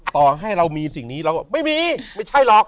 ต่อให้เรามีสิ่งนี้เราก็ไม่มีไม่ใช่หรอก